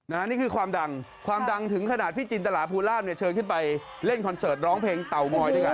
นี่คือความดังความดังถึงขนาดพี่จินตลาภูลาภเนี่ยเชิญขึ้นไปเล่นคอนเสิร์ตร้องเพลงเต่างอยด้วยกัน